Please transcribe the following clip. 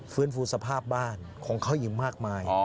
ฟื้นฟูสภาพบ้านของเขาอีกมากมาย